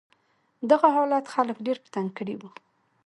دغه حالت خلک ډېر په تنګ کړي و.